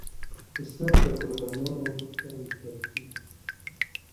پسه د قربانۍ نه وروسته وېشل کېږي.